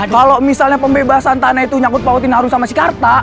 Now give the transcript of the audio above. kalau misalnya pembebasan tanah itu nyangkut pautin harum sama si karta